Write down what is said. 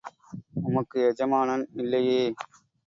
உமக்கு எஜமானன் இல்லையே?